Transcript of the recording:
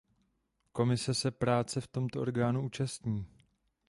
Komise se práce v tomto orgánu účastní.